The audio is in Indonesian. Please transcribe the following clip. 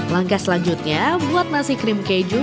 langkah selanjutnya buat nasi krim keju